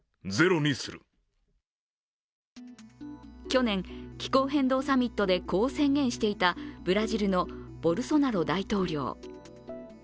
去年、気候変動サミットでこう宣言していたブラジルのボルソナロ大統領。